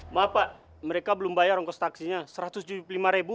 maaf pak mereka belum bayar ongkos taksinya rp satu ratus tujuh puluh lima ribu